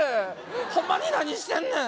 ホンマに何してんねん！